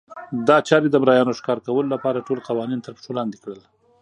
دا چارې د مریانو ښکار کولو لپاره ټول قوانین ترپښو لاندې کړل.